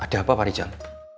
ada apa pak rijal